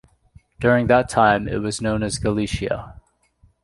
During that time it was known as Galicia.